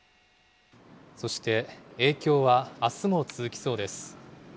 そして影響はあすも続きそうです。